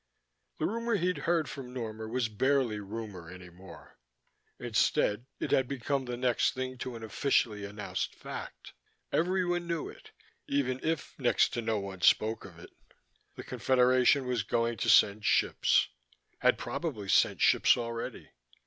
The rumor he'd heard from Norma was barely rumor any more: instead, it had become the next thing to an officially announced fact. Everyone knew it, even if next to no one spoke of it. The Confederation was going to send ships had probably sent ships already.